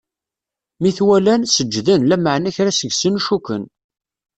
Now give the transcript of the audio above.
Mi t-walan, seǧǧden, lameɛna kra seg-sen cukken.